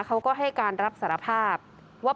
เขาก็ให้การรับสารภาพว่า